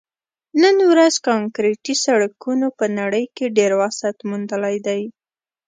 نن ورځ کانکریټي سړکونو په نړۍ کې ډېر وسعت موندلی دی